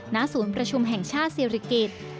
ณศูนย์ประชุมแห่งชาติศิริกิจ